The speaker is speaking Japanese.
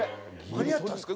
間に合ったんですか？